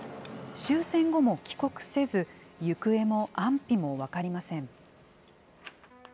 終戦後も帰国せず、行方も安否も分かりません。